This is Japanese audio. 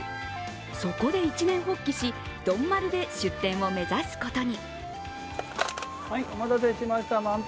そこで一念発起し、丼丸で出店を目指すことに。